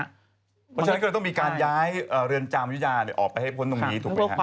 เพราะฉะนั้นก็จะต้องมีการย้ายเรือนจำยุยาออกไปให้พ้นตรงนี้